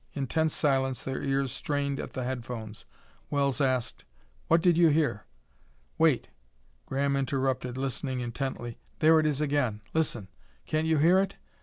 In tense silence their ears strained at the headphones. Wells asked: "What did you hear?" "Wait!" Graham interrupted, listening intently. "There it is again! Listen! Can't you hear it?